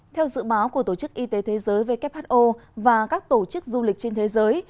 theo dự báo của tổ chức y tế thế giới who và các tổ chức du lịch trên thế giới